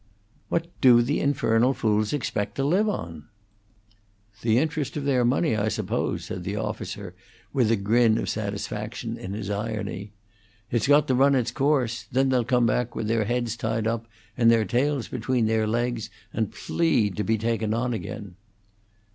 "What do the infernal fools expect to live on?" "The interest of their money, I suppose," said the officer, with a grin of satisfaction in his irony. "It's got to run its course. Then they'll come back with their heads tied up and their tails between their legs, and plead to be taken on again."